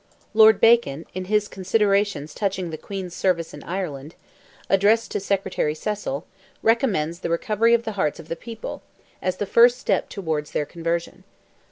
Lord Bacon, in his "Considerations touching the Queen's Service in Ireland," addressed to Secretary Cecil, recommends "the recovery of the hearts of the people," as the first step towards their conversion.